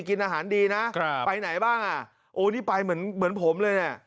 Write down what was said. กินอาหารดีนะครับไปไหนบ้างอ่ะโอ้นี่ไปเหมือนเหมือนผมเลยเนี่ย